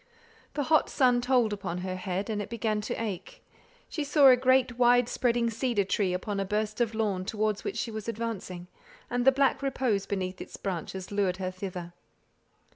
The hot sun told upon her head, and it began to ache. She saw a great wide spreading cedar tree upon a burst of lawn towards which she was advancing, and the black repose beneath its branches lured her thither.